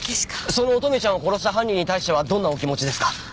その乙女ちゃんを殺した犯人に対してはどんなお気持ちですか？